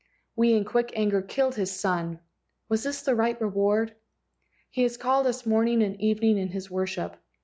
We in quick anger killed his son. Was this the right reward? He has called us morning and evening in his worship.